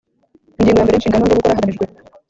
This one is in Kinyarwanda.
Ingingo ya mbere Inshingano yo gukora hagamijwe